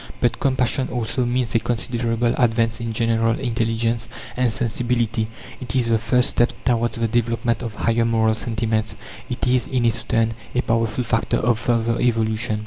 But compassion also means a considerable advance in general intelligence and sensibility. It is the first step towards the development of higher moral sentiments. It is, in its turn, a powerful factor of further evolution.